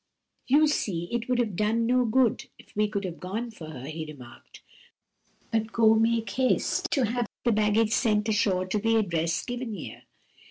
"You see it would have done no good if we could have gone for her," he remarked. "But go, make haste to have the baggage sent ashore to the address given here."